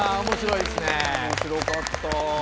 面白いね。